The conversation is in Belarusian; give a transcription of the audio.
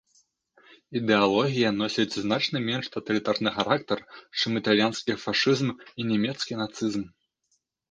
Ідэалогія носіць значна менш таталітарны характар, чым італьянскі фашызм і нямецкі нацызм.